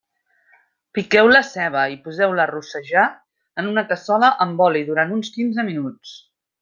Piqueu la ceba i poseu-la a rossejar en una cassola amb oli durant uns quinze minuts.